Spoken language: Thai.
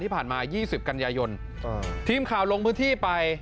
ที่ผ่านมายี่สิบกันยายนอ่ะทีมข่าวลงพื้นที่ไป